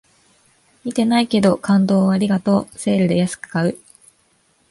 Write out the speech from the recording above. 見てないけど、感動をありがとうセールで安く買う